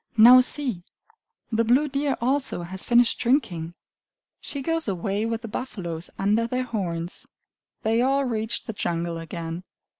Now see! The blue deer also has finished drinking. She goes away with the buffaloes, under their horns. They all reach the jungle again.